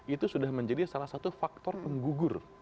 itu sudah menjadi salah satu faktor penggugur